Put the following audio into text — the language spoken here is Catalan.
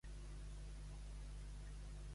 La venjança és un plaer dels déus.